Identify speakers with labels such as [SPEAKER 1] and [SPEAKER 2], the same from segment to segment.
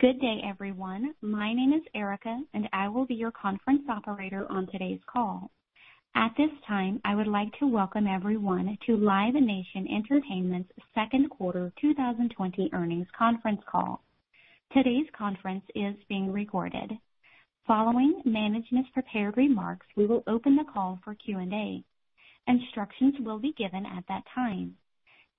[SPEAKER 1] Good day, everyone. My name is Erica, and I will be your conference operator on today's call. At this time, I would like to welcome everyone to Live Nation Entertainment's second quarter 2020 earnings conference call. Today's conference is being recorded. Following management's prepared remarks, we will open the call for Q&A. Instructions will be given at that time.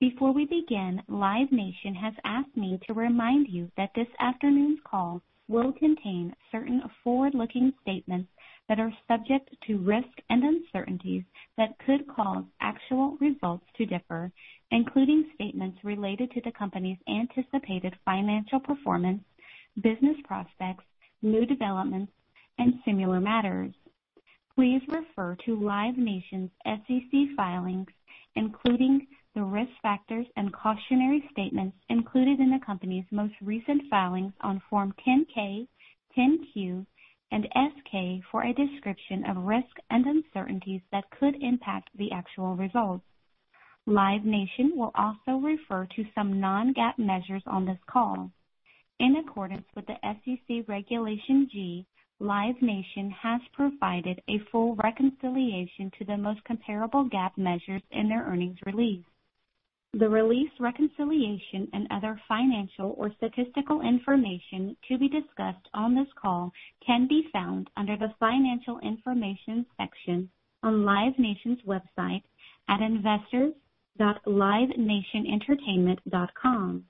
[SPEAKER 1] Before we begin, Live Nation has asked me to remind you that this afternoon's call will contain certain forward-looking statements that are subject to risks and uncertainties that could cause actual results to differ, including statements related to the company's anticipated financial performance, business prospects, new developments, and similar matters. Please refer to Live Nation's SEC filings, including the risk factors and cautionary statements included in the company's most recent filings on Form 10-K, 10-Q, and 8-K for a description of risks and uncertainties that could impact the actual results. Live Nation will also refer to some non-GAAP measures on this call. In accordance with the SEC Regulation G, Live Nation has provided a full reconciliation to the most comparable GAAP measures in their earnings release. The release reconciliation and other financial or statistical information to be discussed on this call can be found under the Financial Information section on Live Nation's website at investors.livenationentertainment.com.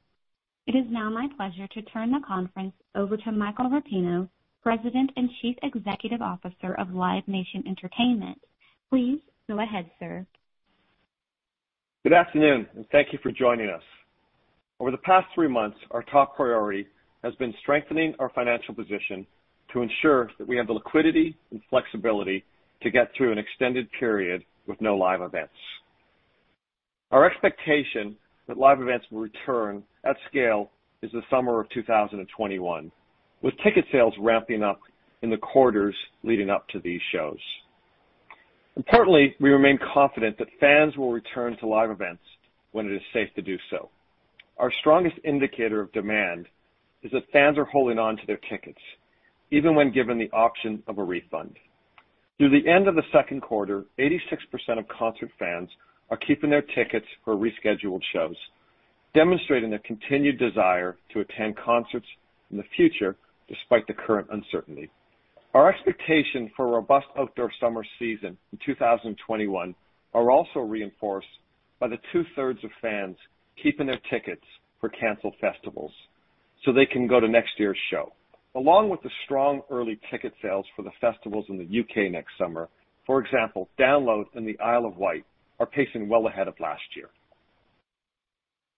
[SPEAKER 1] It is now my pleasure to turn the conference over to Michael Rapino, President and Chief Executive Officer of Live Nation Entertainment. Please go ahead, sir.
[SPEAKER 2] Good afternoon, and thank you for joining us. Over the past three months, our top priority has been strengthening our financial position to ensure that we have the liquidity and flexibility to get through an extended period with no live events. Our expectation that live events will return at scale is the summer of 2021, with ticket sales ramping up in the quarters leading up to these shows. Importantly, we remain confident that fans will return to live events when it is safe to do so. Our strongest indicator of demand is that fans are holding on to their tickets, even when given the option of a refund. Through the end of the second quarter, 86% of concert fans are keeping their tickets for rescheduled shows, demonstrating a continued desire to attend concerts in the future despite the current uncertainty. Our expectation for a robust outdoor summer season in 2021 are also reinforced by the two-thirds of fans keeping their tickets for canceled festivals so they can go to next year's show. Along with the strong early ticket sales for the festivals in the U.K. next summer, for example, Download and the Isle of Wight are pacing well ahead of last year.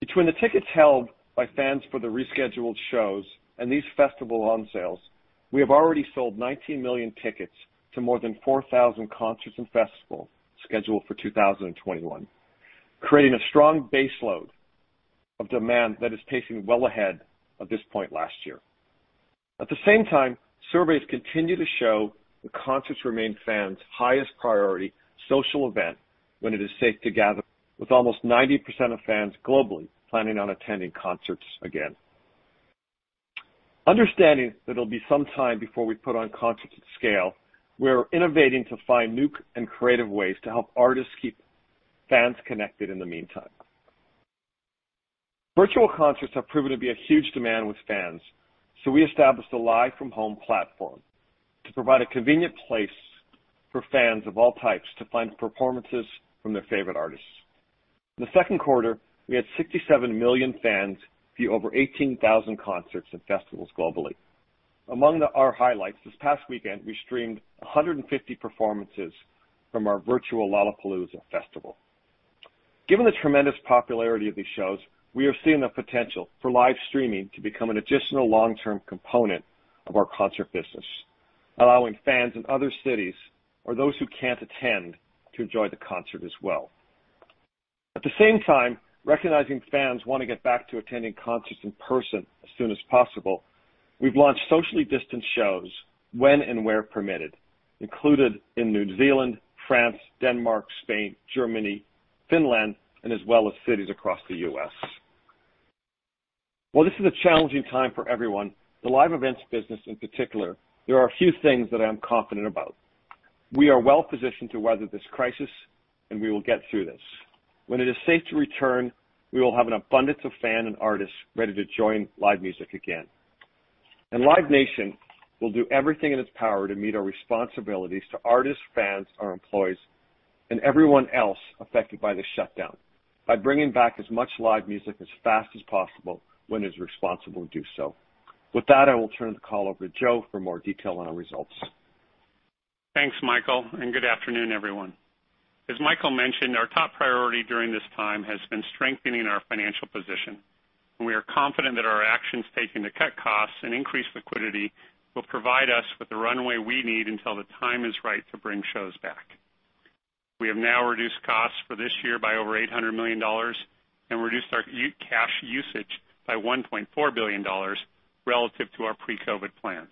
[SPEAKER 2] Between the tickets held by fans for the rescheduled shows and these festival onsales, we have already sold 19 million tickets to more than 4,000 concerts and festivals scheduled for 2021, creating a strong baseload of demand that is pacing well ahead of this point last year. At the same time, surveys continue to show that concerts remain fans' highest priority social event when it is safe to gather, with almost 90% of fans globally planning on attending concerts again. Understanding that it'll be some time before we put on concerts at scale, we're innovating to find new and creative ways to help artists keep fans connected in the meantime. Virtual concerts have proven to be in huge demand with fans. We established a Live from Home platform to provide a convenient place for fans of all types to find performances from their favorite artists. In the second quarter, we had 67 million fans view over 18,000 concerts and festivals globally. Among our highlights this past weekend, we streamed 150 performances from our virtual Lollapalooza festival. Given the tremendous popularity of these shows, we have seen the potential for live streaming to become an additional long-term component of our concert business, allowing fans in other cities or those who can't attend to enjoy the concert as well. At the same time, recognizing fans want to get back to attending concerts in person as soon as possible, we've launched socially distanced shows when and where permitted, including in New Zealand, France, Denmark, Spain, Germany, Finland, and as well as cities across the U.S. While this is a challenging time for everyone, the live events business in particular, there are a few things that I am confident about. We are well positioned to weather this crisis, and we will get through this. When it is safe to return, we will have an abundance of fans and artists ready to join live music again. Live Nation will do everything in its power to meet our responsibilities to artists, fans, our employees, and everyone else affected by this shutdown by bringing back as much live music as fast as possible when it is responsible to do so. With that, I will turn the call over to Joe for more detail on our results.
[SPEAKER 3] Thanks, Michael. Good afternoon, everyone. As Michael mentioned, our top priority during this time has been strengthening our financial position. We are confident that our actions taken to cut costs and increase liquidity will provide us with the runway we need until the time is right to bring shows back. We have now reduced costs for this year by over $800 million and reduced our cash usage by $1.4 billion relative to our pre-COVID plans.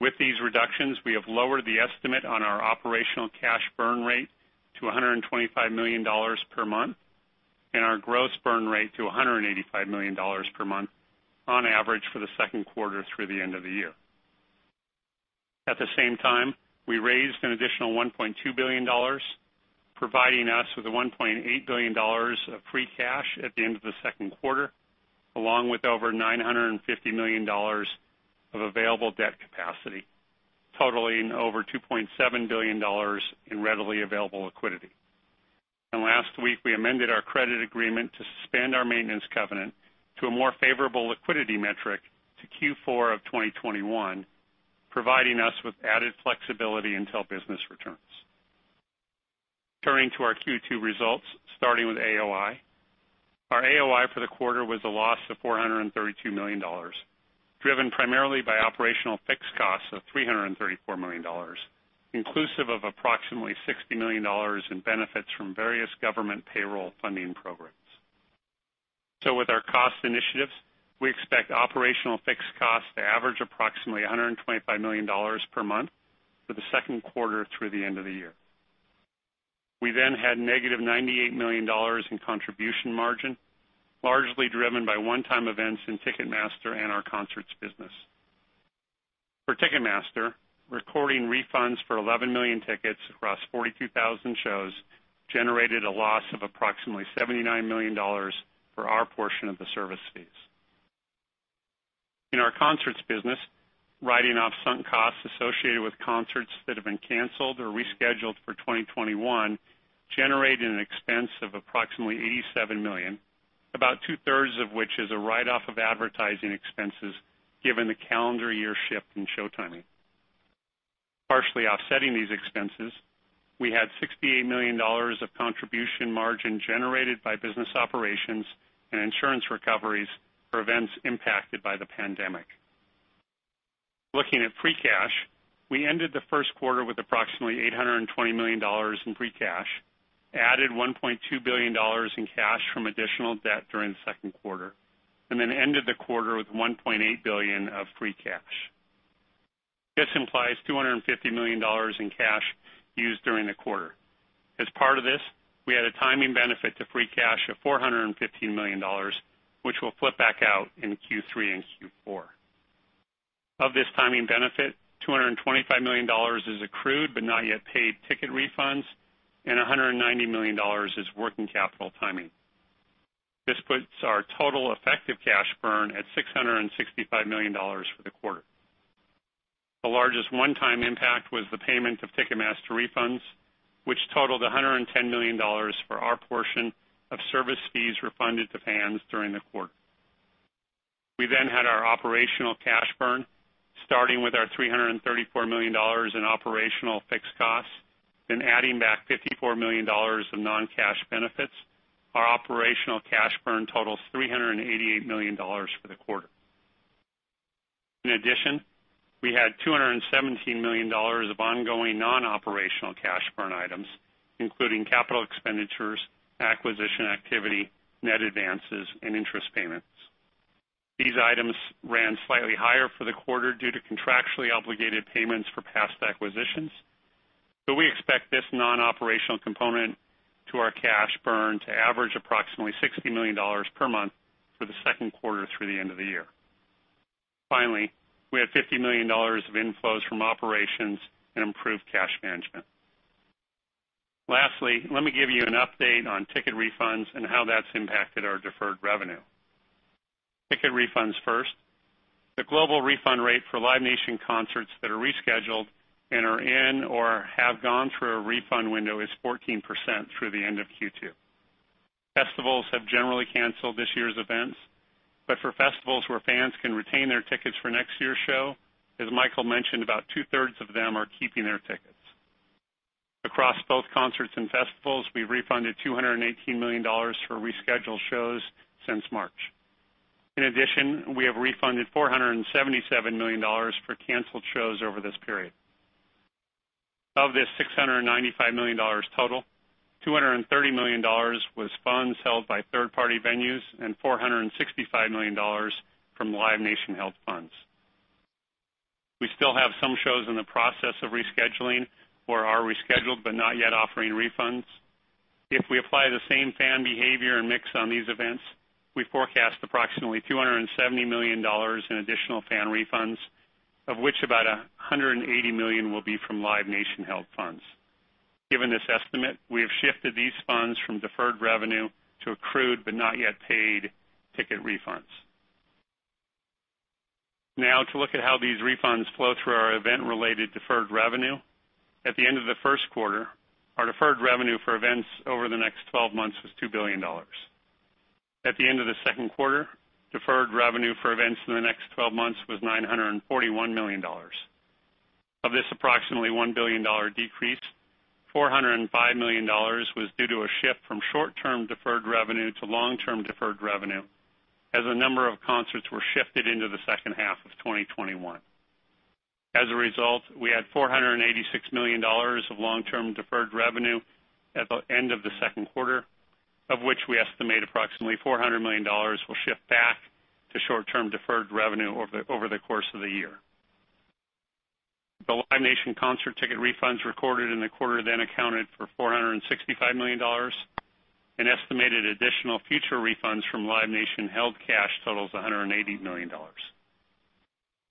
[SPEAKER 3] With these reductions, we have lowered the estimate on our operational cash burn rate to $125 million per month and our gross burn rate to $185 million per month on average for the second quarter through the end of the year. At the same time, we raised an additional $1.2 billion, providing us with $1.8 billion of free cash at the end of the second quarter, along with over $950 million of available debt capacity, totaling over $2.7 billion in readily available liquidity. Last week, we amended our credit agreement to suspend our maintenance covenant to a more favorable liquidity metric to Q4 of 2021, providing us with added flexibility until business returns. Turning to our Q2 results, starting with AOI. Our AOI for the quarter was a loss of $432 million, driven primarily by operational fixed costs of $334 million, inclusive of approximately $60 million in benefits from various government payroll funding programs. With our cost initiatives, we expect operational fixed costs to average approximately $125 million per month for the second quarter through the end of the year. We had -$98 million in contribution margin, largely driven by one-time events in Ticketmaster and our concerts business. For Ticketmaster, recording refunds for 11 million tickets across 42,000 shows generated a loss of approximately $79 million for our portion of the service fees. In our concerts business, writing off sunk costs associated with concerts that have been canceled or rescheduled for 2021 generated an expense of approximately $87 million, about two-thirds of which is a write-off of advertising expenses, given the calendar year shift in show timing. Partially offsetting these expenses, we had $68 million of contribution margin generated by business operations and insurance recoveries for events impacted by the pandemic. Looking at free cash, we ended the first quarter with approximately $820 million in free cash, added $1.2 billion in cash from additional debt during the second quarter, and then ended the quarter with $1.8 billion of free cash. This implies $250 million in cash used during the quarter. As part of this, we had a timing benefit to free cash of $415 million, which will flip back out in Q3 and Q4. Of this timing benefit, $225 million is accrued but not yet paid ticket refunds, and $190 million is working capital timing. This puts our total effective cash burn at $665 million for the quarter. The largest one-time impact was the payment of Ticketmaster refunds, which totaled $110 million for our portion of service fees refunded to fans during the quarter. We had our operational cash burn, starting with our $334 million in operational fixed costs, adding back $54 million of non-cash benefits. Our operational cash burn totals $388 million for the quarter. In addition, we had $217 million of ongoing non-operational cash burn items, including capital expenditures, acquisition activity, net advances, and interest payments. These items ran slightly higher for the quarter due to contractually obligated payments for past acquisitions. We expect this non-operational component to our cash burn to average approximately $60 million per month for the second quarter through the end of the year. Finally, we had $50 million of inflows from operations and improved cash management. Lastly, let me give you an update on ticket refunds and how that's impacted our deferred revenue. Ticket refunds first. The global refund rate for Live Nation concerts that are rescheduled and are in or have gone through a refund window is 14% through the end of Q2. Festivals have generally canceled this year's events, but for festivals where fans can retain their tickets for next year's show, as Michael mentioned, about two-thirds of them are keeping their tickets. Across both concerts and festivals, we've refunded $218 million for rescheduled shows since March. In addition, we have refunded $477 million for canceled shows over this period. Of this $695 million total, $230 million was funds held by third-party venues and $465 million from Live Nation-held funds. We still have some shows in the process of rescheduling or are rescheduled but not yet offering refunds. If we apply the same fan behavior and mix on these events, we forecast approximately $270 million in additional fan refunds, of which about $180 million will be from Live Nation-held funds. Given this estimate, we have shifted these funds from deferred revenue to accrued but not yet paid ticket refunds. Now to look at how these refunds flow through our event-related deferred revenue. At the end of the first quarter, our deferred revenue for events over the next 12 months was $2 billion. At the end of the second quarter, deferred revenue for events in the next 12 months was $941 million. Of this approximately $1 billion decrease, $405 million was due to a shift from short-term deferred revenue to long-term deferred revenue, as a number of concerts were shifted into the second half of 2021. As a result, we had $486 million of long-term deferred revenue at the end of the second quarter. Of which we estimate approximately $400 million will shift back to short-term deferred revenue over the course of the year. The Live Nation concert ticket refunds recorded in the quarter then accounted for $465 million. An estimated additional future refunds from Live Nation held cash totals $180 million.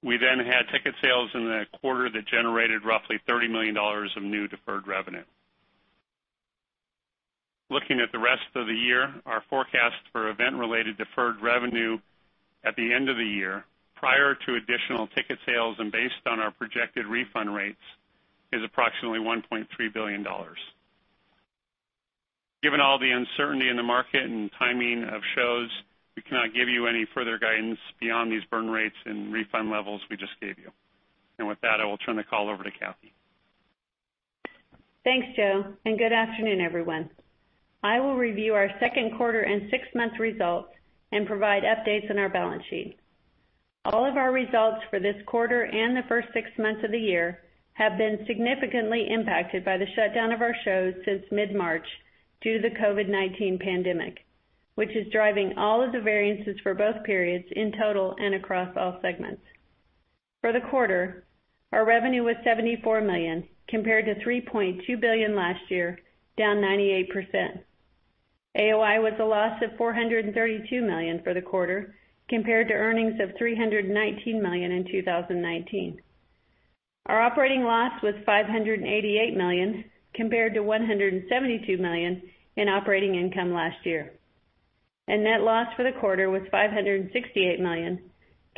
[SPEAKER 3] We then had ticket sales in the quarter that generated roughly $30 million of new deferred revenue. Looking at the rest of the year, our forecast for event-related deferred revenue at the end of the year, prior to additional ticket sales and based on our projected refund rates, is approximately $1.3 billion. Given all the uncertainty in the market and timing of shows, we cannot give you any further guidance beyond these burn rates and refund levels we just gave you. With that, I will turn the call over to Kathy.
[SPEAKER 4] Thanks, Joe, and good afternoon, everyone. I will review our second quarter and six-month results and provide updates on our balance sheet. All of our results for this quarter and the first six months of the year have been significantly impacted by the shutdown of our shows since mid-March due to the COVID-19 pandemic, which is driving all of the variances for both periods in total and across all segments. For the quarter, our revenue was $74 million, compared to $3.2 billion last year, down 98%. AOI was a loss of $432 million for the quarter, compared to earnings of $319 million in 2019. Our operating loss was $588 million, compared to $172 million in operating income last year. Net loss for the quarter was $568 million,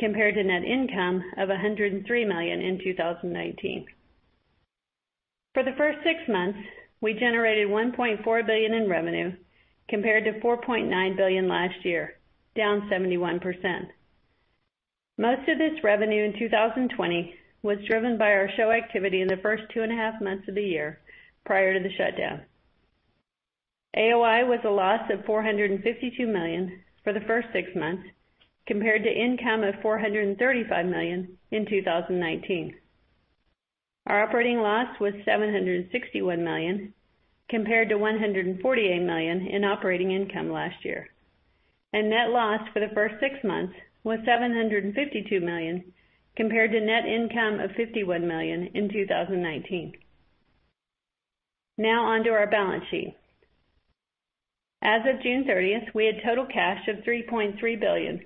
[SPEAKER 4] compared to net income of $103 million in 2019. For the first six months, we generated $1.4 billion in revenue, compared to $4.9 billion last year, down 71%. Most of this revenue in 2020 was driven by our show activity in the first two and a half months of the year, prior to the shutdown. AOI was a loss of $452 million for the first six months, compared to income of $435 million in 2019. Our operating loss was $761 million, compared to $148 million in operating income last year. Net loss for the first six months was $752 million, compared to net income of $51 million in 2019. Now on to our balance sheet. As of June 30th, we had total cash of $3.3 billion,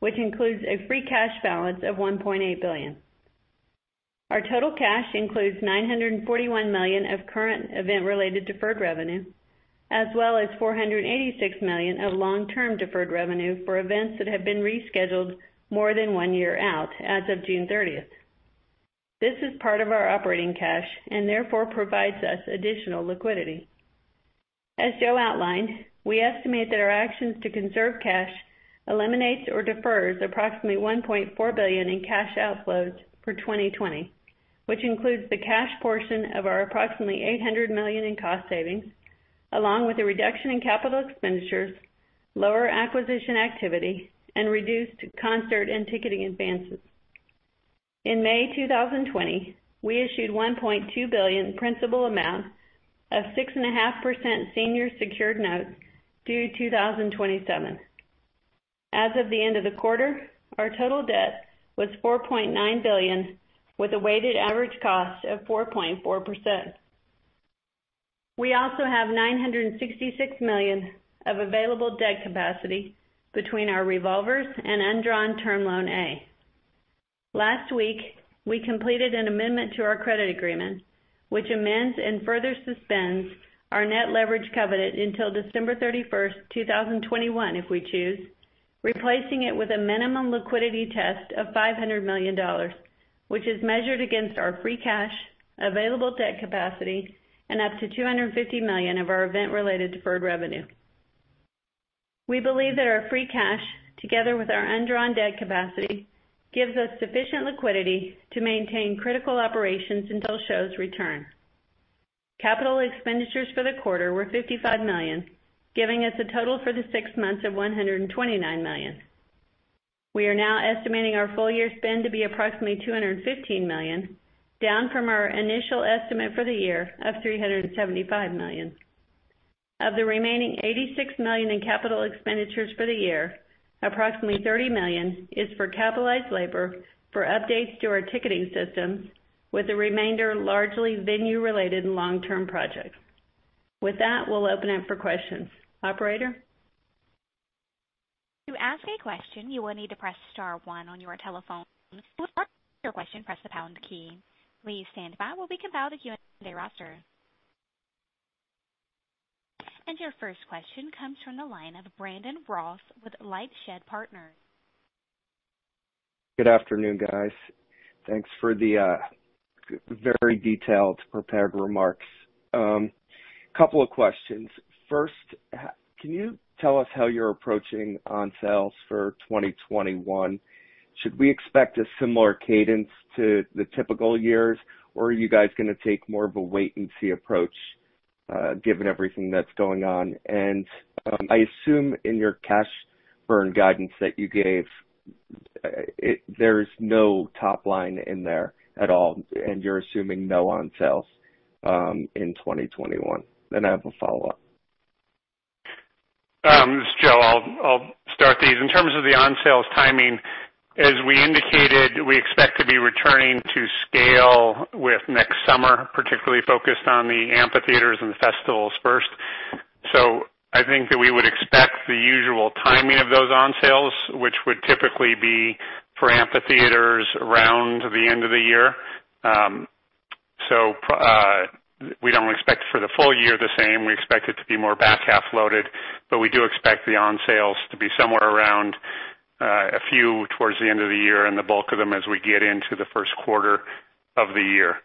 [SPEAKER 4] which includes a free cash balance of $1.8 billion. Our total cash includes $941 million of current event-related deferred revenue, as well as $486 million of long-term deferred revenue for events that have been rescheduled more than one year out as of June 30th. This is part of our operating cash and therefore provides us additional liquidity. As Joe outlined, we estimate that our actions to conserve cash eliminates or defers approximately $1.4 billion in cash outflows for 2020, which includes the cash portion of our approximately $800 million in cost savings, along with a reduction in capital expenditures, lower acquisition activity, and reduced concert and ticketing advances. In May 2020, we issued $1.2 billion principal amount of 6.5% senior secured notes due 2027. As of the end of the quarter, our total debt was $4.9 billion with a weighted average cost of 4.4%. We also have $966 million of available debt capacity between our revolvers and undrawn term loan A. Last week, we completed an amendment to our credit agreement, which amends and further suspends our net leverage covenant until December 31st, 2021, if we choose, replacing it with a minimum liquidity test of $500 million, which is measured against our free cash, available debt capacity, and up to $250 million of our event-related deferred revenue. We believe that our free cash, together with our undrawn debt capacity, gives us sufficient liquidity to maintain critical operations until shows return. Capital expenditures for the quarter were $55 million, giving us a total for the six months of $129 million. We are now estimating our full year spend to be approximately $215 million, down from our initial estimate for the year of $375 million. Of the remaining $86 million in capital expenditures for the year, approximately $30 million is for capitalized labor for updates to our ticketing system, with the remainder largely venue related and long-term projects. With that, we'll open it for questions. Operator?
[SPEAKER 1] Your first question comes from the line of Brandon Ross with LightShed Partners.
[SPEAKER 5] Good afternoon, guys. Thanks for the very detailed prepared remarks. Couple of questions. First, can you tell us how you're approaching on sales for 2021? Should we expect a similar cadence to the typical years, or are you guys going to take more of a wait and see approach, given everything that's going on? I assume in your cash burn guidance that you gave. There's no top line in there at all, and you're assuming no on-sales in 2021. I have a follow-up.
[SPEAKER 3] This is Joe. I'll start these. In terms of the on-sales timing, as we indicated, we expect to be returning to scale with next summer, particularly focused on the amphitheaters and festivals first. I think that we would expect the usual timing of those on-sales, which would typically be for amphitheaters around the end of the year. We don't expect for the full year the same. We expect it to be more back-half loaded, but we do expect the on-sales to be somewhere around a few towards the end of the year and the bulk of them as we get into the first quarter of the year.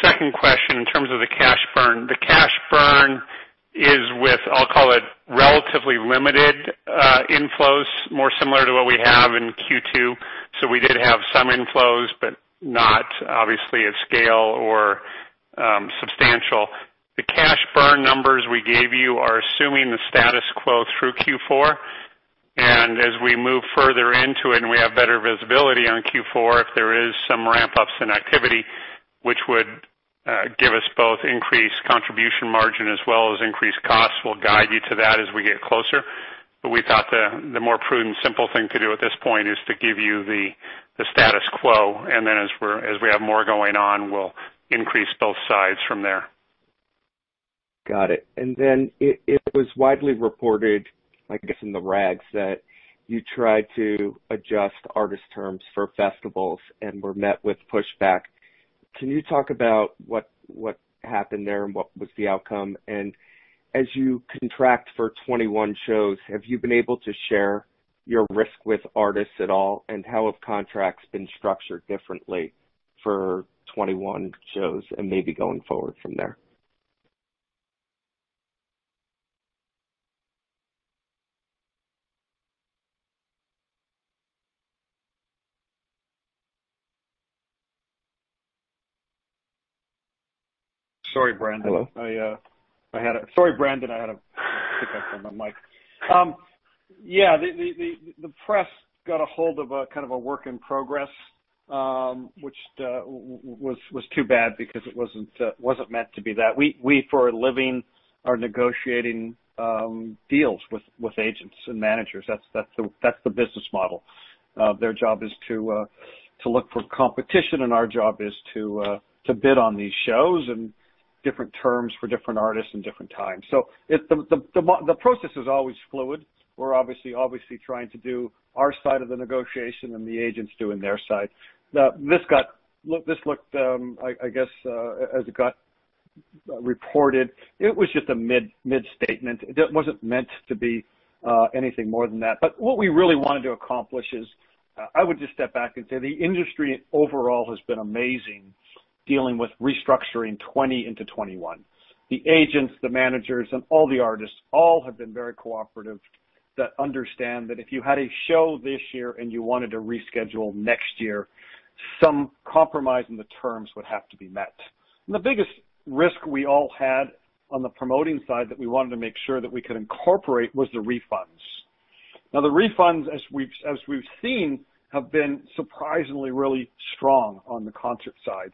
[SPEAKER 3] Second question, in terms of the cash burn. The cash burn is with, I'll call it, relatively limited inflows, more similar to what we have in Q2. We did have some inflows, but not obviously at scale or substantial. The cash burn numbers we gave you are assuming the status quo through Q4, and as we move further into it and we have better visibility on Q4, if there is some ramp-ups in activity, which would give us both increased contribution margin as well as increased costs, we'll guide you to that as we get closer. We thought the more prudent, simple thing to do at this point is to give you the status quo, and then as we have more going on, we'll increase both sides from there.
[SPEAKER 5] Got it. It was widely reported, I guess, in "The Rags," that you tried to adjust artist terms for festivals and were met with pushback. Can you talk about what happened there and what was the outcome? As you contract for 2021 shows, have you been able to share your risk with artists at all? How have contracts been structured differently for 2021 shows and maybe going forward from there?
[SPEAKER 2] Sorry, Brandon.
[SPEAKER 5] Hello.
[SPEAKER 2] Sorry, Brandon, I had a hiccup on my mic. Yeah. The press got a hold of a work in progress, which was too bad because it wasn't meant to be that. We, for a living, are negotiating deals with agents and managers. That's the business model. Their job is to look for competition, and our job is to bid on these shows and different terms for different artists and different times. The process is always fluid. We're obviously trying to do our side of the negotiation and the agent's doing their side. This looked, I guess, as it got reported, it was just a mid-statement. It wasn't meant to be anything more than that. What we really wanted to accomplish is, I would just step back and say the industry overall has been amazing dealing with restructuring 2020 into 2021. The agents, the managers, and all the artists, all have been very cooperative that understand that if you had a show this year and you wanted to reschedule next year, some compromise in the terms would have to be met. The biggest risk we all had on the promoting side that we wanted to make sure that we could incorporate was the refunds. Now, the refunds, as we've seen, have been surprisingly really strong on the concert side.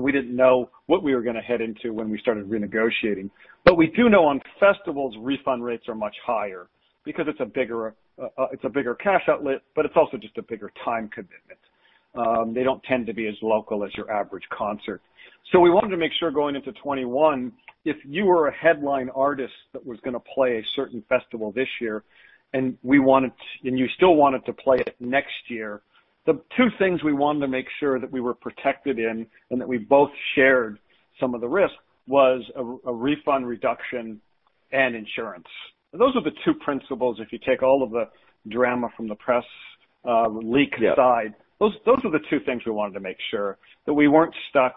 [SPEAKER 2] We didn't know what we were going to head into when we started renegotiating. We do know on festivals, refund rates are much higher because it's a bigger cash outlet, but it's also just a bigger time commitment. They don't tend to be as local as your average concert. We wanted to make sure going into 2021, if you were a headline artist that was going to play a certain festival this year, and you still wanted to play it next year, the two things we wanted to make sure that we were protected in and that we both shared some of the risk was a refund reduction and insurance. Those are the two principles, if you take all of the drama from the press leak aside.
[SPEAKER 5] Yeah.
[SPEAKER 2] Those are the two things we wanted to make sure, that we weren't stuck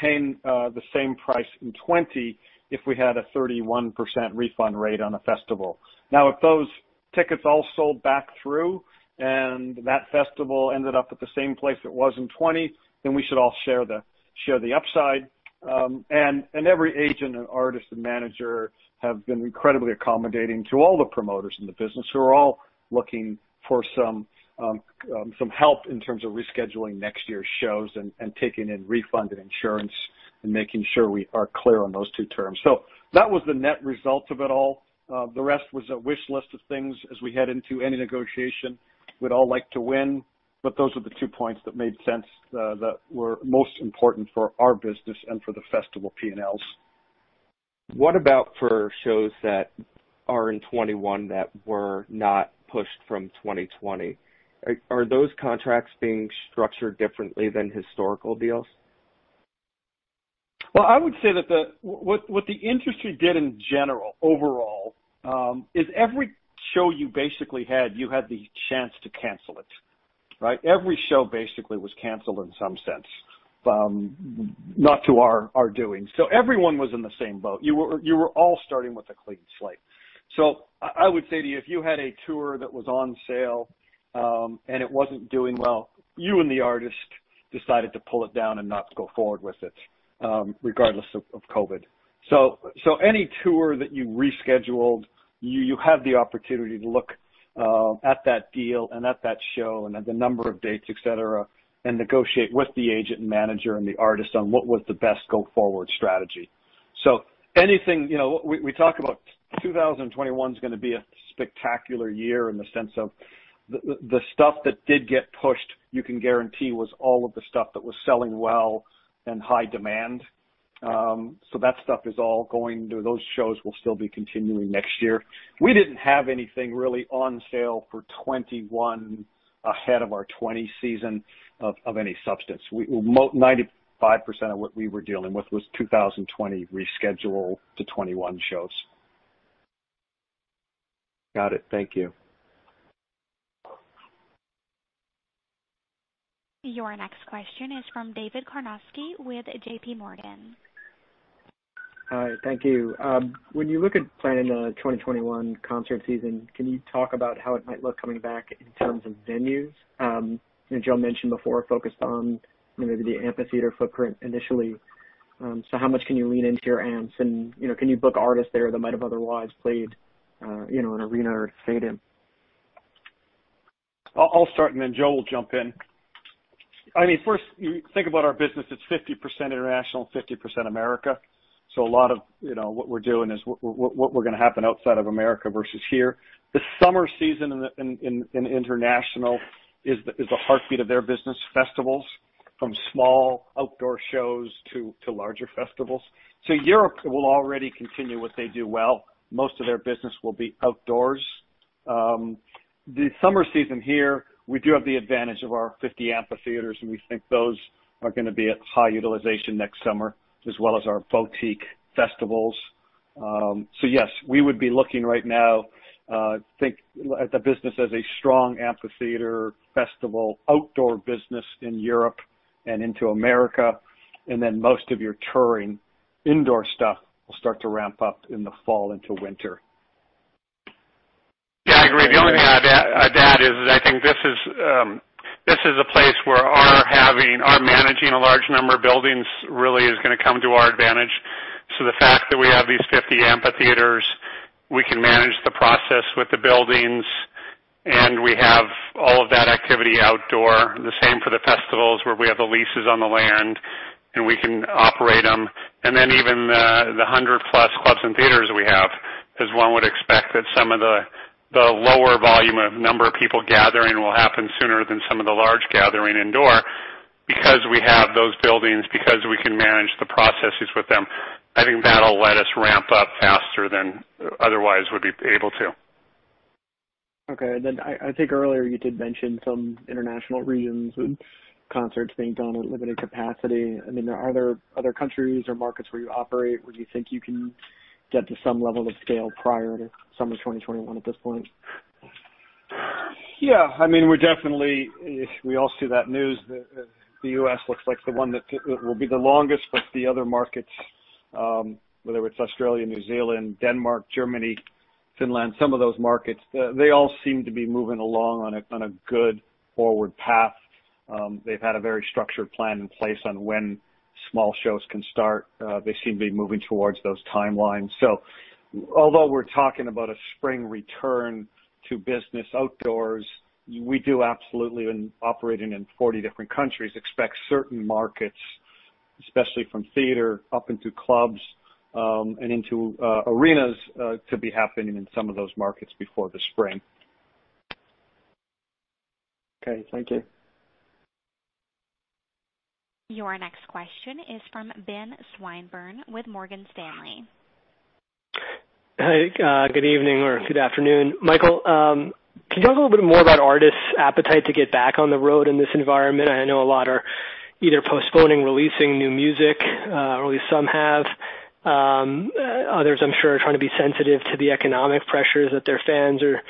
[SPEAKER 2] paying the same price in 2020 if we had a 31% refund rate on a festival. If those tickets all sold back through and that festival ended up at the same place it was in 2020, then we should all share the upside. Every agent and artist and manager have been incredibly accommodating to all the promoters in the business who are all looking for some help in terms of rescheduling next year's shows and taking in refund and insurance and making sure we are clear on those two terms. That was the net result of it all. The rest was a wish list of things as we head into any negotiation. We'd all like to win, but those are the two points that made sense that were most important for our business and for the festival P&Ls.
[SPEAKER 5] What about for shows that are in 2021 that were not pushed from 2020? Are those contracts being structured differently than historical deals?
[SPEAKER 2] Well, I would say that what the industry did in general, overall, is every show you basically had, you had the chance to cancel it. Right? Every show basically was canceled in some sense, not to our doing. Everyone was in the same boat. You were all starting with a clean slate. I would say to you, if you had a tour that was on sale, and it wasn't doing well, you and the artist decided to pull it down and not go forward with it, regardless of COVID. Any tour that you rescheduled, you have the opportunity to look at that deal and at that show and at the number of dates, et cetera, and negotiate with the agent and manager and the artist on what was the best go-forward strategy. We talk about 2021 is going to be a spectacular year in the sense of the stuff that did get pushed, you can guarantee was all of the stuff that was selling well and high demand. That stuff is all going, those shows will still be continuing next year. We didn't have anything really on sale for 2021 ahead of our 2020 season of any substance. 95% of what we were dealing with was 2020 reschedule to 2021 shows.
[SPEAKER 5] Got it. Thank you.
[SPEAKER 1] Your next question is from David Karnovsky with JPMorgan.
[SPEAKER 6] Hi. Thank you. When you look at planning the 2021 concert season, can you talk about how it might look coming back in terms of venues? I know Joe mentioned before, focused on maybe the amphitheater footprint initially. How much can you lean into your amps and can you book artists there that might have otherwise played in an arena or stadium?
[SPEAKER 2] I'll start and then Joe will jump in. You think about our business, it's 50% international, 50% U.S. A lot of what we're doing is what we're going to happen outside of U.S. versus here. The summer season in international is the heartbeat of their business. Festivals, from small outdoor shows to larger festivals. Europe will already continue what they do well. Most of their business will be outdoors. The summer season here, we do have the advantage of our 50 amphitheaters, and we think those are going to be at high utilization next summer, as well as our boutique festivals. Yes, we would be looking right now, think at the business as a strong amphitheater festival, outdoor business in Europe and into U.S., and then most of your touring indoor stuff will start to ramp up in the fall into winter.
[SPEAKER 3] I agree. The only thing I'd add is that I think this is a place where our managing a large number of buildings really is going to come to our advantage. The fact that we have these 50 amphitheaters, we can manage the process with the buildings, and we have all of that activity outdoor. The same for the festivals where we have the leases on the land, and we can operate them. Even the 100+ clubs and theaters we have, as one would expect that some of the lower volume of number of people gathering will happen sooner than some of the large gathering indoor. Because we have those buildings, because we can manage the processes with them, I think that'll let us ramp up faster than otherwise would be able to.
[SPEAKER 6] Okay. I think earlier you did mention some international regions and concerts being done at limited capacity. Are there other countries or markets where you operate where you think you can get to some level of scale prior to summer 2021 at this point?
[SPEAKER 2] Yeah. We all see that news that the U.S. looks like the one that will be the longest, but the other markets, whether it's Australia, New Zealand, Denmark, Germany, Finland, some of those markets, they all seem to be moving along on a good forward path. They've had a very structured plan in place on when small shows can start. They seem to be moving towards those timelines. So although we're talking about a spring return to business outdoors, we do absolutely, operating in 40 different countries, expect certain markets, especially from theater up into clubs, and into arenas, to be happening in some of those markets before the spring.
[SPEAKER 6] Okay. Thank you.
[SPEAKER 1] Your next question is from Benjamin Swinburne with Morgan Stanley.
[SPEAKER 7] Hi. Good evening or good afternoon. Michael, can you talk a little bit more about artists' appetite to get back on the road in this environment? I know a lot are either postponing releasing new music, or at least some have. Others, I'm sure, are trying to be sensitive to the economic pressures that their fans are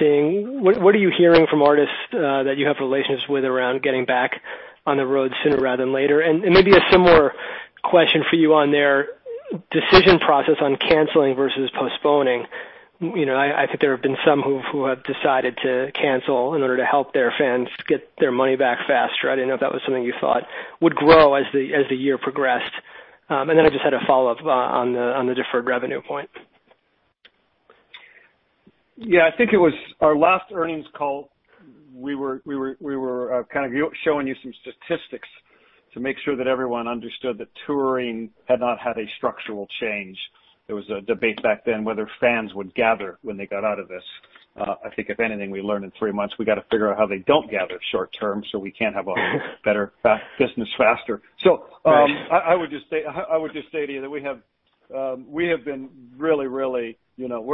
[SPEAKER 7] seeing. What are you hearing from artists that you have relationships with around getting back on the road sooner rather than later? Maybe a similar question for you on their decision process on canceling versus postponing. I think there have been some who have decided to cancel in order to help their fans get their money back faster. I didn't know if that was something you thought would grow as the year progressed. I just had a follow-up on the deferred revenue point.
[SPEAKER 2] I think it was our last earnings call, we were kind of showing you some statistics to make sure that everyone understood that touring had not had a structural change. There was a debate back then whether fans would gather when they got out of this. I think if anything we learned in three months, we got to figure out how they don't gather short-term, so we can have a better business faster.
[SPEAKER 7] Right.
[SPEAKER 2] I would just say to you that we're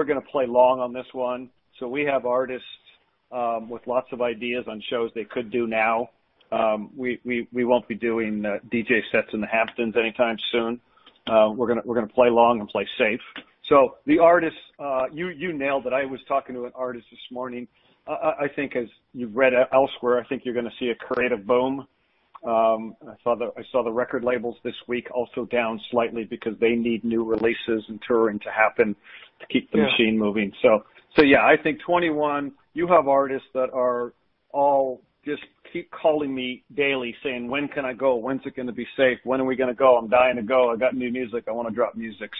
[SPEAKER 2] going to play long on this one. We have artists with lots of ideas on shows they could do now. We won't be doing DJ sets in the Hamptons anytime soon. We're going to play long and play safe. The artists, you nailed it. I was talking to an artist this morning. I think as you've read elsewhere, I think you're going to see a creative boom. I saw the record labels this week also down slightly because they need new releases and touring to happen to keep the machine moving. Yeah, I think 2021, you have artists that all just keep calling me daily saying, "When can I go? When's it going to be safe? When are we going to go? I'm dying to go. I've got new music. I want to drop music."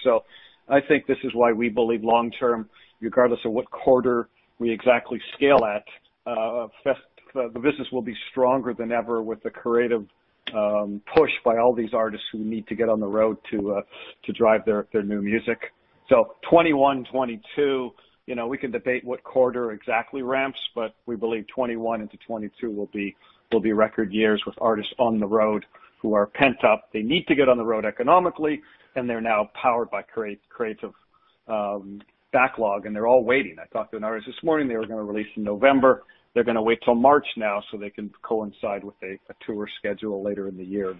[SPEAKER 2] I think this is why we believe long-term, regardless of what quarter we exactly scale at, the business will be stronger than ever with the creative push by all these artists who need to get on the road to drive their new music. 2021, 2022, we can debate what quarter exactly ramps, but we believe 2021 into 2022 will be record years with artists on the road who are pent up. They need to get on the road economically, and they're now powered by creative backlog, and they're all waiting. I talked to an artist this morning. They were going to release in November. They're going to wait till March now so they can coincide with a tour schedule later in the year of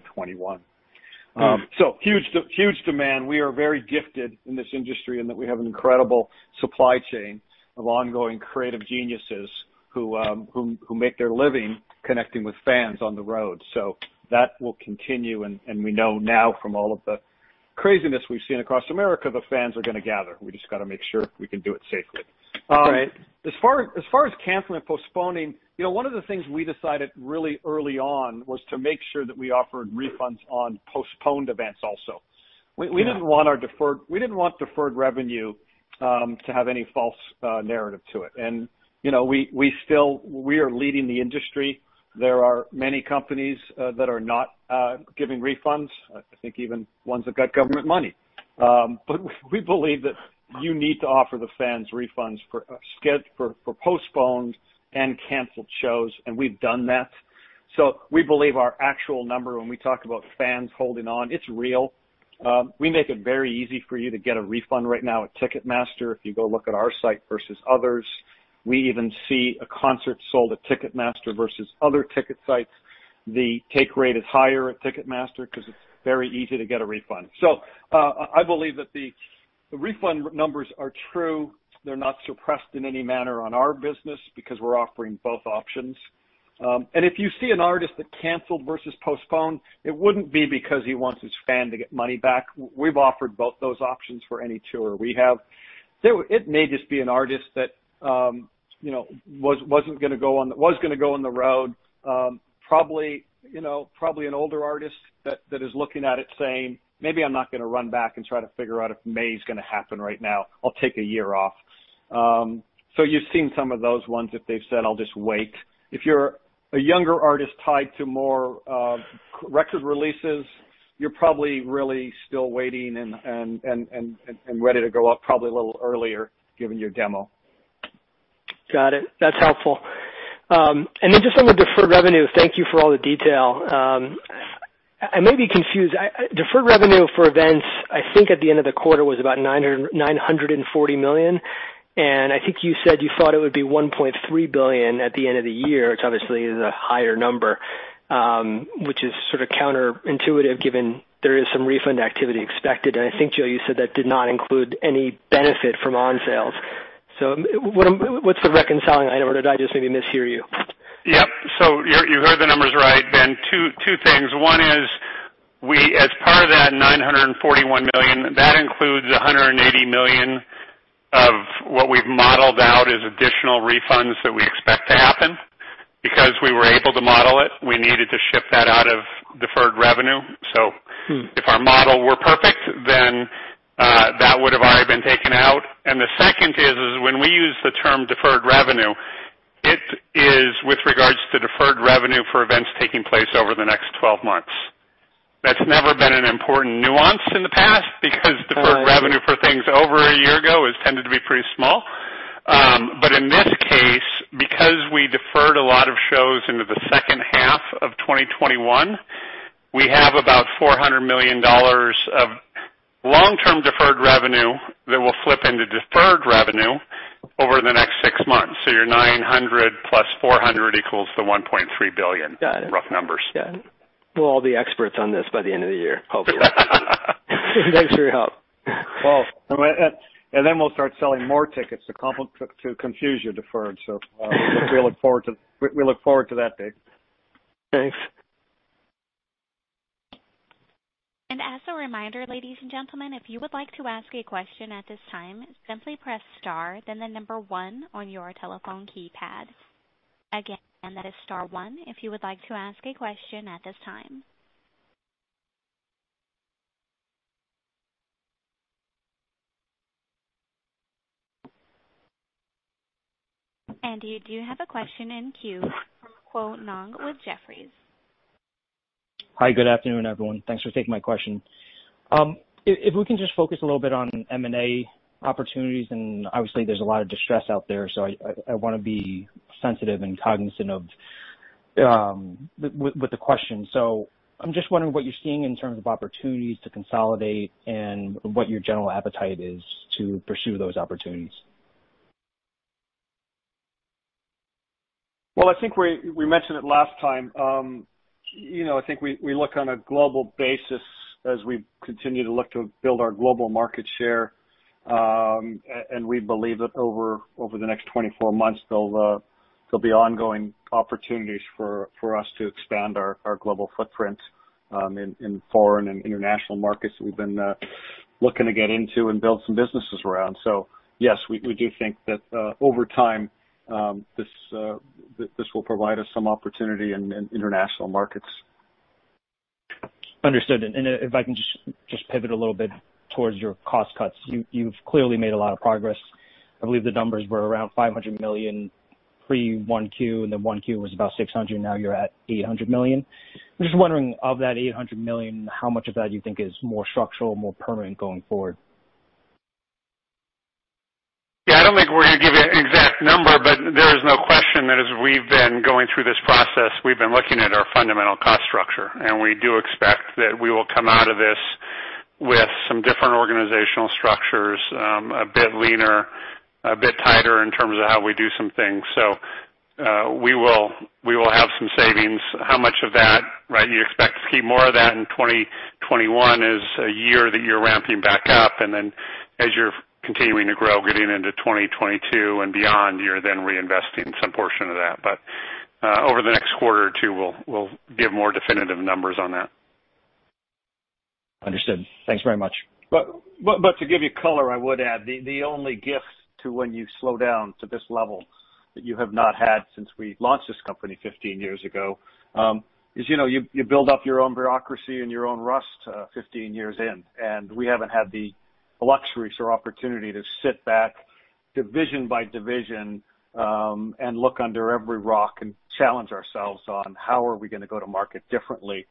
[SPEAKER 2] 2021. Huge demand. We are very gifted in this industry in that we have an incredible supply chain of ongoing creative geniuses who make their living connecting with fans on the road. That will continue, and we know now from all of the craziness we've seen across America, the fans are going to gather. We just got to make sure we can do it safely.
[SPEAKER 7] All right.
[SPEAKER 2] As far as canceling and postponing, one of the things we decided really early on was to make sure that we offered refunds on postponed events also. We didn't want deferred revenue to have any false narrative to it. We are leading the industry. There are many companies that are not giving refunds. I think even ones that got government money. We believe that you need to offer the fans refunds for postponed and canceled shows, and we've done that. We believe our actual number when we talk about fans holding on, it's real. We make it very easy for you to get a refund right now at Ticketmaster. If you go look at our site versus others, we even see a concert sold at Ticketmaster versus other ticket sites. The take rate is higher at Ticketmaster because it's very easy to get a refund. I believe that the refund numbers are true. They're not suppressed in any manner on our business because we're offering both options. If you see an artist that canceled versus postponed, it wouldn't be because he wants his fan to get money back. We've offered both those options for any tour we have. It may just be an artist that was going on the road. Probably an older artist that is looking at it saying, "Maybe I'm not going to run back and try to figure out if May's going to happen right now. I'll take a year off." You've seen some of those ones, if they've said, "I'll just wait." If you're a younger artist tied to more record releases, you're probably really still waiting and ready to go up probably a little earlier, given your demo.
[SPEAKER 7] Got it. That's helpful. Just on the deferred revenue, thank you for all the detail. I may be confused. Deferred revenue for events, I think at the end of the quarter, was about $940 million, and I think you said you thought it would be $1.3 billion at the end of the year, which obviously is a higher number, which is sort of counterintuitive given there is some refund activity expected. I think, Joe, you said that did not include any benefit from on sales. What's the reconciling item, or did I just maybe mishear you?
[SPEAKER 3] Yep. You heard the numbers right, Ben. Two things. One is, as part of that $941 million, that includes $180 million of what we've modeled out as additional refunds that we expect to happen. We were able to model it, we needed to ship that out of deferred revenue. If our model were perfect, that would have already been taken out. The second is, when we use the term deferred revenue, it is with regards to deferred revenue for events taking place over the next 12 months. That's never been an important nuance in the past because deferred revenue for things over a year ago has tended to be pretty small. In this case, because we deferred a lot of shows into the second half of 2021, we have about $400 million of long-term deferred revenue that will flip into deferred revenue over the next six months. Your $900 + $400 equals the $1.3 billion.
[SPEAKER 7] Got it.
[SPEAKER 3] Rough numbers.
[SPEAKER 7] Yeah. We'll all be experts on this by the end of the year, hopefully. Thanks for your help.
[SPEAKER 2] Well, we'll start selling more tickets to confuse your deferred. We look forward to that, Dave.
[SPEAKER 7] Thanks.
[SPEAKER 1] As a reminder, ladies and gentlemen, if you would like to ask a question at this time, simply press star then the number one on your telephone keypad. Again, that is star one if you would like to ask a question at this time. You do have a question in queue from Khoa Ngo with Jefferies.
[SPEAKER 8] Hi, good afternoon, everyone. Thanks for taking my question. If we can just focus a little bit on M&A opportunities, obviously there's a lot of distress out there, so I want to be sensitive and cognizant with the question. I'm just wondering what you're seeing in terms of opportunities to consolidate and what your general appetite is to pursue those opportunities.
[SPEAKER 2] Well, I think we mentioned it last time. I think we look on a global basis as we continue to look to build our global market share, and we believe that over the next 24 months, there'll be ongoing opportunities for us to expand our global footprint. In foreign and international markets that we've been looking to get into and build some businesses around. Yes, we do think that over time, this will provide us some opportunity in international markets.
[SPEAKER 8] Understood. If I can just pivot a little bit towards your cost cuts. You've clearly made a lot of progress. I believe the numbers were around $500 million pre Q1, and then Q1 was about $600 million, now you're at $800 million. I'm just wondering, of that $800 million, how much of that you think is more structural, more permanent going forward?
[SPEAKER 3] Yeah, I don't think we're going to give you an exact number, but there is no question that as we've been going through this process, we've been looking at our fundamental cost structure, and we do expect that we will come out of this with some different organizational structures, a bit leaner, a bit tighter in terms of how we do some things. We will have some savings. How much of that, right, you expect to see more of that in 2021 is a year that you're ramping back up, as you're continuing to grow, getting into 2022 and beyond, you're then reinvesting some portion of that. Over the next quarter or two, we'll give more definitive numbers on that.
[SPEAKER 8] Understood. Thanks very much.
[SPEAKER 2] To give you color, I would add, the only gift to when you slow down to this level that you have not had since we launched this company 15 years ago, is you build up your own bureaucracy and your own rust 15 years in. We haven't had the luxury or opportunity to sit back division by division, and look under every rock and challenge ourselves on how are we going to go to market differently,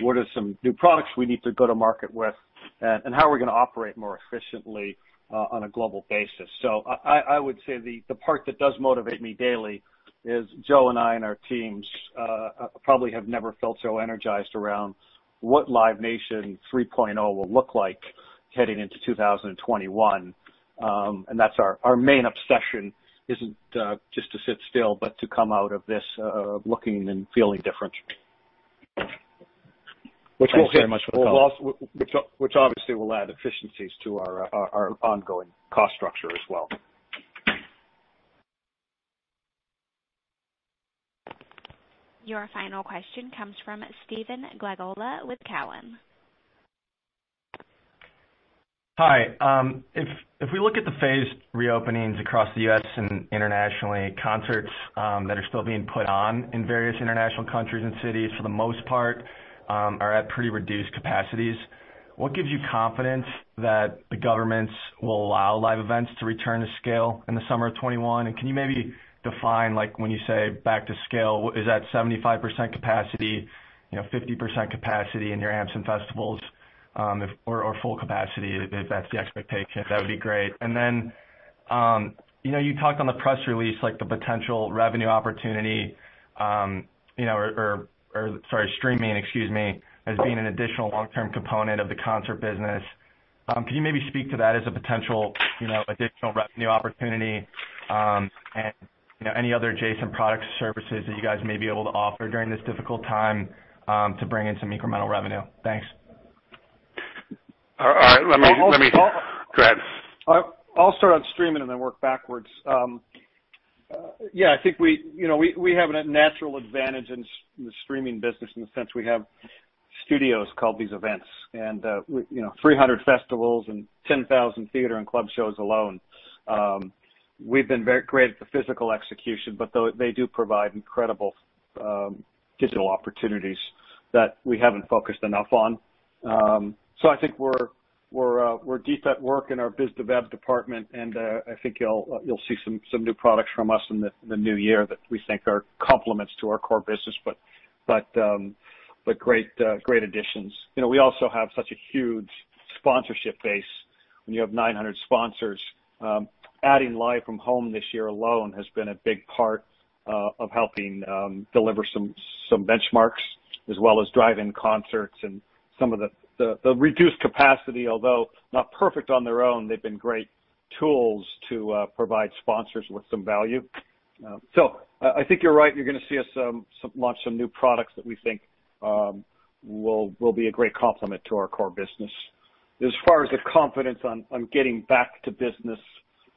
[SPEAKER 2] what are some new products we need to go to market with, and how are we going to operate more efficiently, on a global basis. I would say the part that does motivate me daily is Joe and I, and our teams probably have never felt so energized around what Live Nation 3.0 will look like heading into 2021. That's our main obsession isn't just to sit still, but to come out of this looking and feeling different.
[SPEAKER 8] Thanks very much for the call.
[SPEAKER 2] Obviously will add efficiencies to our ongoing cost structure as well.
[SPEAKER 1] Your final question comes from Stephen Glagola with Cowen.
[SPEAKER 9] Hi. If we look at the phased reopenings across the U.S. and internationally, concerts that are still being put on in various international countries and cities, for the most part, are at pretty reduced capacities. What gives you confidence that the governments will allow live events to return to scale in the summer of 2021? Can you maybe define, when you say back to scale, is that 75% capacity, 50% capacity in your amps and festivals, or full capacity, if that's the expectation? That would be great. Then, you talked on the press release, the potential revenue opportunity, or sorry, streaming, excuse me, as being an additional long-term component of the concert business. Can you maybe speak to that as a potential additional revenue opportunity? Any other adjacent products or services that you guys may be able to offer during this difficult time, to bring in some incremental revenue. Thanks.
[SPEAKER 3] Go ahead.
[SPEAKER 2] I'll start on streaming and then work backwards. Yeah, I think we have a natural advantage in the streaming business in the sense we have studios called These Events and 300 festivals and 10,000 theater and club shows alone. We've been very great at the physical execution. They do provide incredible digital opportunities that we haven't focused enough on. I think we're deep at work in our biz dev department, and I think you'll see some new products from us in the new year that we think are complements to our core business, but great additions. We also have such a huge sponsorship base. When you have 900 sponsors, adding Live from Home this year alone has been a big part of helping deliver some benchmarks as well as drive-in concerts and some of the reduced capacity, although not perfect on their own, they've been great tools to provide sponsors with some value. I think you're right. You're going to see us launch some new products that we think will be a great complement to our core business. As far as the confidence on getting back to business,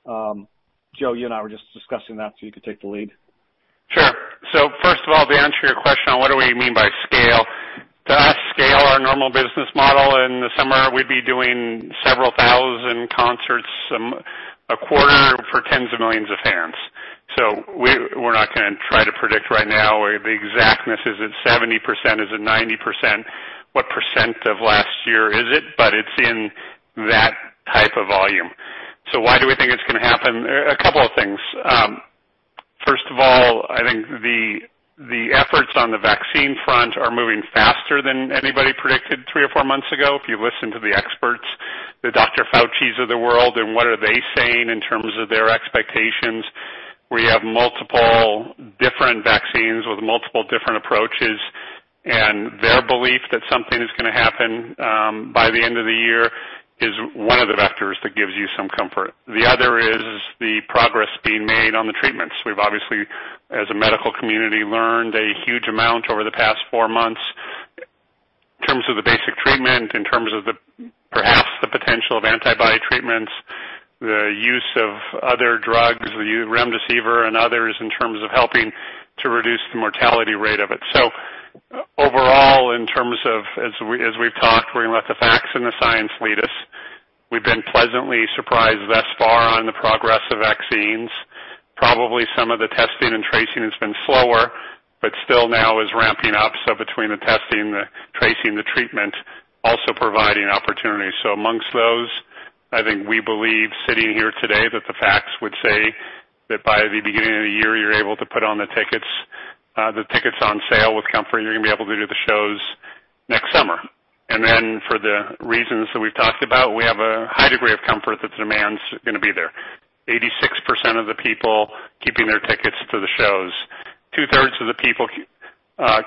[SPEAKER 2] Joe, you and I were just discussing that, so you can take the lead.
[SPEAKER 3] Sure. First of all, to answer your question on what do we mean by scale? To us, scale, our normal business model in the summer, we'd be doing several thousand concerts a quarter for tens of millions of fans. We're not going to try to predict right now the exactness. Is it 70%? Is it 90%? What % of last year is it? It's in that type of volume. Why do we think it's going to happen? A couple of things. First of all, I think the efforts on the vaccine front are moving faster than anybody predicted three or four months ago. If you listen to the experts, the Dr. Faucis of the world, what are they saying in terms of their expectations? We have multiple different vaccines with multiple different approaches. Their belief that something is going to happen by the end of the year is one of the vectors that gives you some comfort. The other is the progress being made on the treatments. We've obviously, as a medical community, learned a huge amount over the past four months in terms of the basic treatment, in terms of the treatments, the use of other drugs, the remdesivir and others in terms of helping to reduce the mortality rate of it. Overall, in terms of as we've talked, we're going to let the facts and the science lead us. We've been pleasantly surprised thus far on the progress of vaccines. Probably some of the testing and tracing has been slower, but still now is ramping up. Between the testing, the tracing, the treatment, also providing opportunities. Amongst those, I think we believe sitting here today that the facts would say that by the beginning of the year, you're able to put on the tickets on sale with comfort, you're going to be able to do the shows next summer. For the reasons that we've talked about, we have a high degree of comfort that demand's going to be there. 86% of the people keeping their tickets to the shows, two-thirds of the people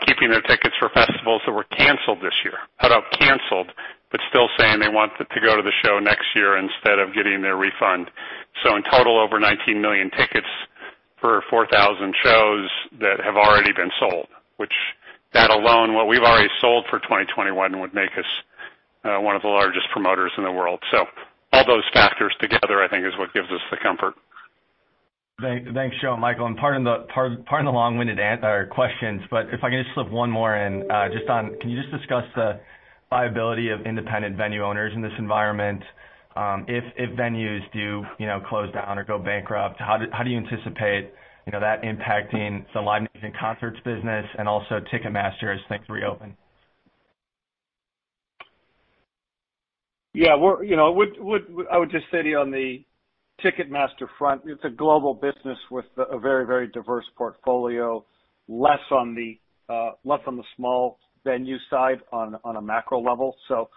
[SPEAKER 3] keeping their tickets for festivals that were canceled this year. Out of canceled, but still saying they want to go to the show next year instead of getting their refund. In total, over 19 million tickets for 4,000 shows that have already been sold. That alone, what we've already sold for 2021 would make us one of the largest promoters in the world. All those factors together, I think is what gives us the comfort.
[SPEAKER 9] Thanks, Joe and Michael, and pardon the long-winded questions, but if I can just slip one more in. Can you just discuss the viability of independent venue owners in this environment? If venues do close down or go bankrupt, how do you anticipate that impacting the live music and concerts business and also Ticketmaster as things reopen?
[SPEAKER 3] Yeah. I would just say to you on the Ticketmaster front, it's a global business with a very diverse portfolio. Less on the small venue side on a macro level, so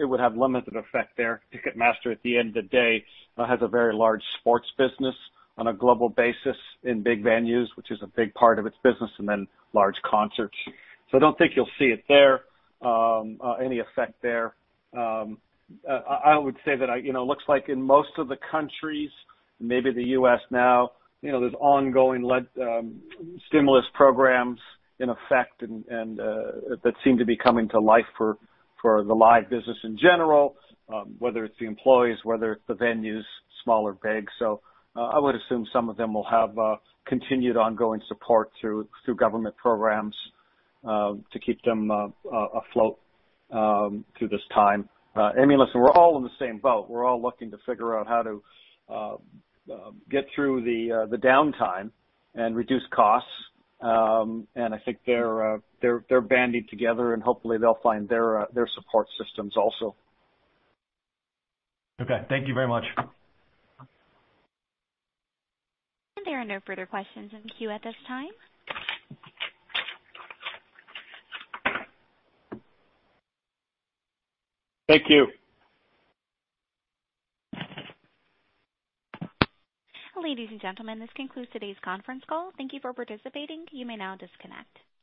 [SPEAKER 3] it would have limited effect there. Ticketmaster, at the end of the day, has a very large sports business on a global basis in big venues, which is a big part of its business, and then large concerts. I don't think you'll see any effect there. I would say that it looks like in most of the countries, maybe the U.S. now, there's ongoing stimulus programs in effect and that seem to be coming to life for the live business in general. Whether it's the employees, whether it's the venues, small or big. I would assume some of them will have continued ongoing support through government programs, to keep them afloat through this time. I mean, listen, we're all in the same boat. We're all looking to figure out how to get through the downtime and reduce costs. I think they're banding together, and hopefully, they'll find their support systems also.
[SPEAKER 9] Okay. Thank you very much.
[SPEAKER 1] There are no further questions in the queue at this time.
[SPEAKER 3] Thank you.
[SPEAKER 1] Ladies and gentlemen, this concludes today's conference call. Thank you for participating. You may now disconnect.